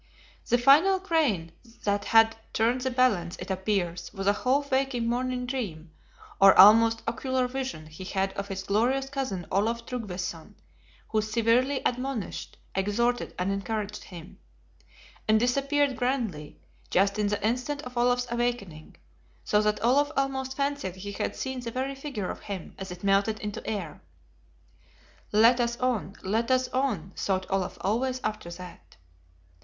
The final grain that had turned the balance, it appears, was a half waking morning dream, or almost ocular vision he had of his glorious cousin Olaf Tryggveson, who severely admonished, exhorted, and encouraged him; and disappeared grandly, just in the instant of Olaf's awakening; so that Olaf almost fancied he had seen the very figure of him, as it melted into air. "Let us on, let us on!" thought Olaf always after that.